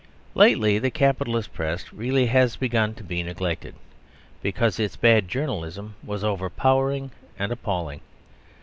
Lately the capitalist Press really has begun to be neglected; because its bad journalism was overpowering and appalling.